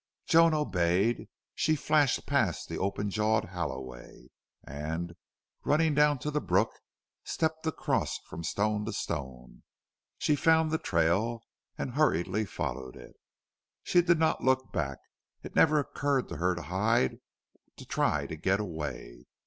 Joan obeyed. She flashed past the open jawed Halloway, and, running down to the brook, stepped across from stone to stone. She found the trail and hurriedly followed it. She did not look back. It never occurred to her to hide, to try to get away.